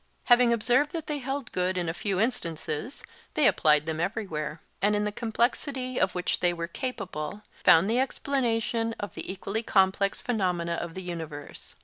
Having observed that they held good in a few instances, they applied them everywhere; and in the complexity, of which they were capable, found the explanation of the equally complex phenomena of the universe.